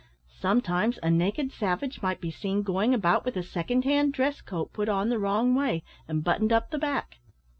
Sometimes a naked savage might be seen going about with a second hand dress coat put on the wrong way, and buttoned up the back.